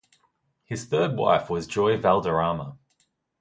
His third wife was Joy Valderrama.